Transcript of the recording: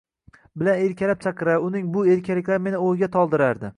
bilan erkalab chaqirar, uning bu erkaliklari meni o`yga toldirardi